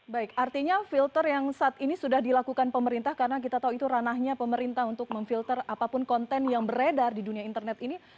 baik artinya filter yang saat ini sudah dilakukan pemerintah karena kita tahu itu ranahnya pemerintah untuk memfilter apapun konten yang beredar di dunia internet ini